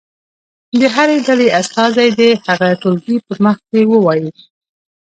د هرې ډلې استازی دې هغه ټولګي په مخ کې ووایي.